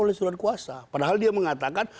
oleh surat kuasa padahal dia mengatakan